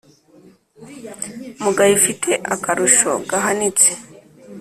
mugayo, ufite akarusho gahanitse,